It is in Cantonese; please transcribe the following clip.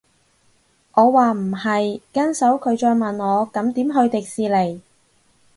我話唔係，跟手佢再問我咁點去迪士尼